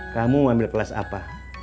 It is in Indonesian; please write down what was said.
kamu ambil kelas apa